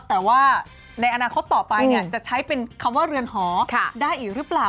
แต่ว่าในอนาคตต่อไปจะใช้เป็นคำว่าเรือนหอได้อีกหรือเปล่า